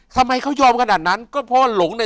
ทำไมเขายอมขนาดนั้นก็เพราะว่าหลงใน